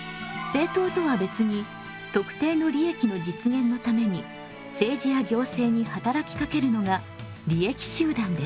政党とは別に特定の利益の実現のために政治や行政に働きかけるのが利益集団です。